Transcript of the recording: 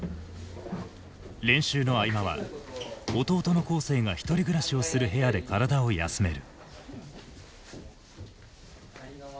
練習の合間は弟の恒成が１人暮らしをする部屋で体を休める。